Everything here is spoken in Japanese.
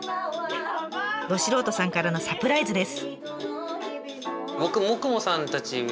ど素人さんからのサプライズです。